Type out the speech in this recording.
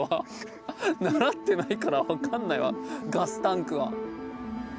習ってないから分かんないわガスタンクは。